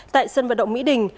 tại sân vận động mỹ đình